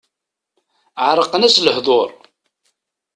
Ɛerqen-as lehdur.